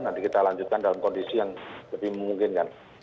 nanti kita lanjutkan dalam kondisi yang lebih memungkinkan